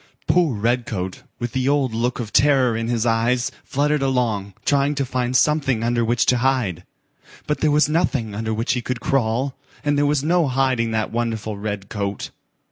Poor Redcoat, with the old look of terror in his eyes, fluttered along, trying to find something under which to hide. But there was nothing under which he could crawl, and there was no hiding that wonderful red coat.